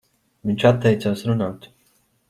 Viņš atteicās runāt.